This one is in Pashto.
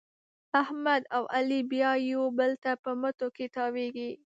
احمد او علي بیا یو بل ته په مټو کې تاوېږي.